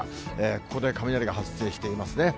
ここで雷が発生していますね。